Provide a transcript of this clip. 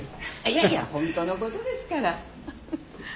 いやいやほんとのことですから。